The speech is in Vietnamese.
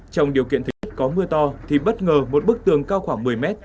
trong điều kiện thị xã an nhơn có mưa to thì bất ngờ một bức tường cao khoảng một mươi m